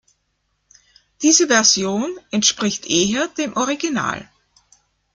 Diese Version entspricht eher dem Original.